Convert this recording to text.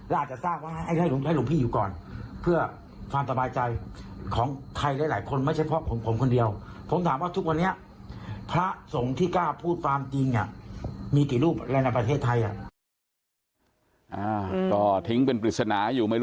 แล้วอาจจะสร้างวัดให้ลุงพี่อยู่ก่อน